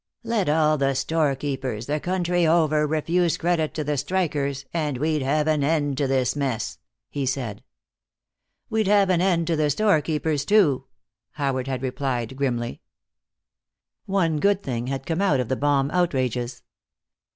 "Let all the storekeepers, the country over, refuse credit to the strikers, and we'd have an end to this mess," he said. "We'd have an end to the storekeepers, too," Howard had replied, grimly. One good thing had come out of the bomb outrages.